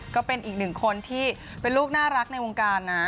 ก็เป็นอีกหนึ่งคนที่เป็นลูกน่ารักในวงการนะ